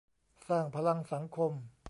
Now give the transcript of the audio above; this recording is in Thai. สร้างพลังสังคม